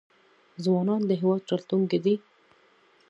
ځوانان د هیواد راتلونکی دی